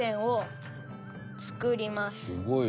すごい。